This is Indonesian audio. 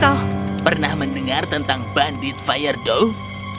kau pernah mendengar tentang bandit fire dow